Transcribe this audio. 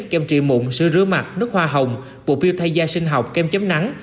kem trị mụn sữa rửa mặt nước hoa hồng bộ piu thay da sinh học kem chấm nắng